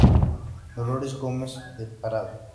Dolores Gómez de Parada.